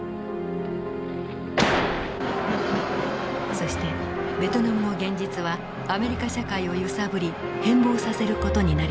そしてベトナムの現実はアメリカ社会を揺さぶり変貌させる事になります。